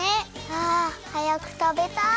あはやくたべたい！